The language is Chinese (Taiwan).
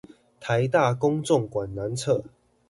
臺大工綜館南側